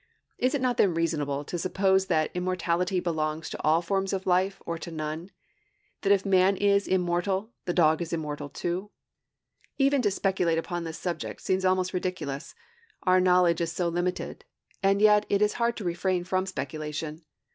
Is it not then reasonable to suppose that immortality belongs to all forms of life or to none? that if man is immortal, the dog is immortal, too? Even to speculate upon this subject seems almost ridiculous, our knowledge is so limited; and yet it is hard to refrain from speculation.